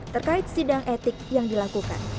terkait sidang etik yang dilakukan